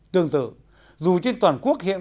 tương tự dù trên toàn quốc hiện